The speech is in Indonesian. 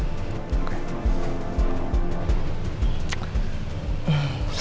saya duluan ya